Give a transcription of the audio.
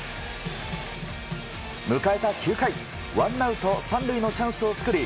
迎えた９回ワンアウト３塁のチャンスを作り